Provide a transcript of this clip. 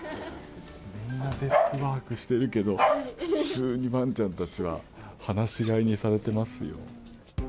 みんなデスクワークしてるけど普通にワンちゃんたちは放し飼いにされてますよ。